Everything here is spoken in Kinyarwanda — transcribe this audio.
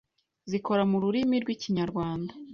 zikora mu rurimi rw’ikinyarwanda